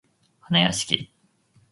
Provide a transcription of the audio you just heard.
はなやしき